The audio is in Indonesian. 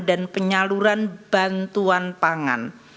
penyaluran bantuan pangan